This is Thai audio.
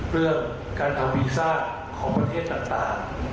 เรื่องการทำวีซ่าของประเทศต่าง